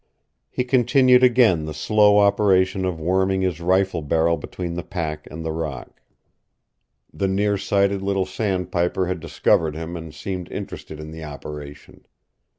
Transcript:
He continued again the slow operation of worming his rifle barrel between the pack and the rock. The near sighted little sandpiper had discovered him and seemed interested in the operation.